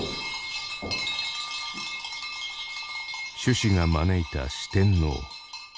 咒師が招いた四天王。